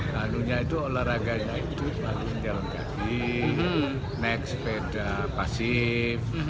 lalunya itu olahraganya itu paling jalan kaki naik sepeda pasif